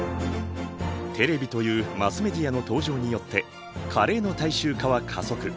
テレビというマスメディアの登場によってカレーの大衆化は加速。